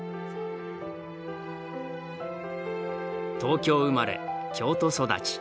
東京生まれ京都育ち。